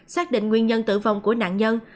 xác định nguyên nhân tử vong của nạn nhân